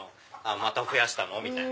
また増やしたの？みたいな。